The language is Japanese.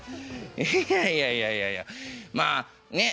いやいやいやいやいやまあね